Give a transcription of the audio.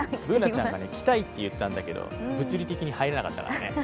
Ｂｏｏｎａちゃんが着たいと言ったんだけど、物理的に入らなかった。